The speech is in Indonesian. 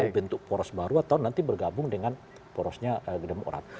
bergabung dengan porosnya gede mokrat